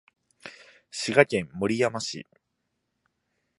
滋賀県守山市